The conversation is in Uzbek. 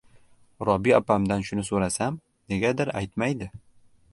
Robi opamdan shuni so‘rasam, negadir aytmaydi.